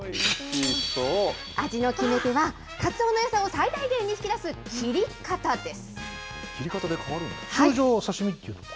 味の決め手は、かつおのよさを最大限に引き出す切り方です。